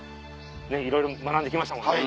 ねっいろいろ学んで来ましたもんね。